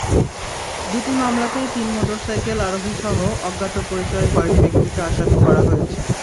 দুটি মামলাতেই তিন মোটরসাইকেল আরোহীসহ অজ্ঞাত পরিচয় কয়েক ব্যক্তিকে আসামি করা হয়েছে।